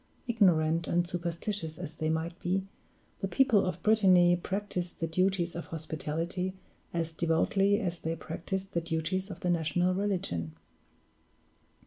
Ignorant and superstitious as they might be, the people of Brittany practiced the duties of hospitality as devoutly as they practiced the duties of the national religion.